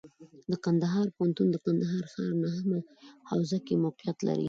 د کندهار پوهنتون د کندهار ښار نهمه حوزه کې موقعیت لري.